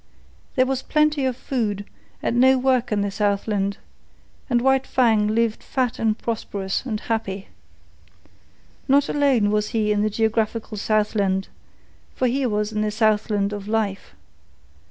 There was plenty of food and no work in the Southland, and White Fang lived fat and prosperous and happy. Not alone was he in the geographical Southland, for he was in the Southland of life.